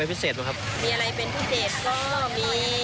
แล้วก็หมูแดง